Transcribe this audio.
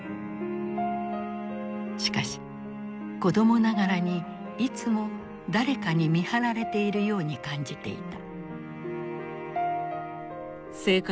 しかし子供ながらにいつも誰かに見張られているように感じていた。